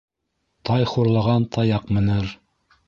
Тай хурлаған таяҡ менер.